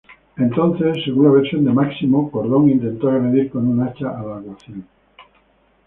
Entonces, según la versión de Máximo, Cordón intentó agredir con un hacha al alguacil.